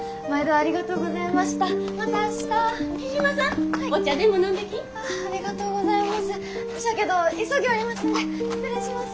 ありがとうございます。